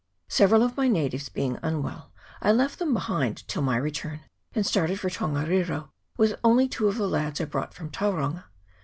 Several of my natives being unwell, I left them behind till my return, and started for Tongariro with only two of the lads I brought from Tauranga.